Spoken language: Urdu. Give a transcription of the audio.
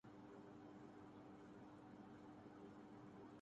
ساتھ ہی پرلے درجے کی لا قانونیت بھی معاشرے میں عام ہے۔